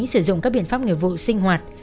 sử dụng các biện pháp nghề vụ sinh hoạt